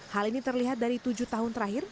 hal ini terlihat dari tujuh tahun terakhir